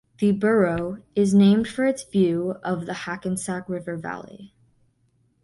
The borough is named for its view of the Hackensack River valley.